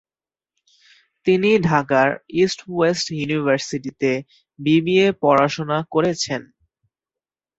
তিনি ঢাকার East West ইউনিভার্সিটিতে বিবিএ পড়াশোনা করেছেন।